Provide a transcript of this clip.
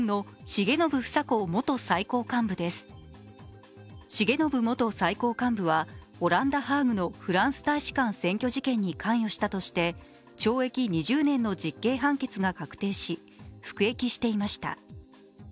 重信元最高幹部はオランダ・ハーグのフランス大使館占拠事件に関与したとして懲役２０年の実刑判決が確定し、服役していました。